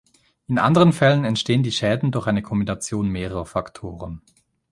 In anderen Fällen entstehen die Schäden durch eine Kombination mehrerer Faktoren.